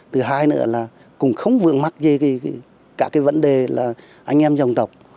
thứ hai nữa là cũng không vượn mắt gì cả cái vấn đề là anh em dòng tộc